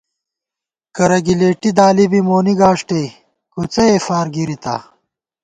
کرہ گِلېٹی دالی بی مونی گاݭٹے کُوڅہ ئےفار گِرِتا